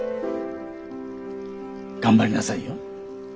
頑張りなさいよ。